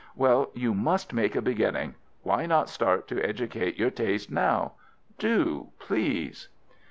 "Well, you must make a beginning. Why not start to educate your taste now? Do, please!"